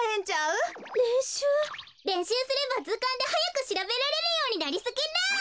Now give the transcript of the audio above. れんしゅう？れんしゅうすればずかんではやくしらべられるようになりすぎる。